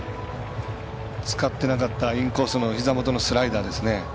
使ってなかったインコースのひざ元のスライダーですね。